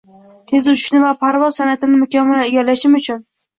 Tez uchishni va parvoz san’atini mukammal egallashim uchun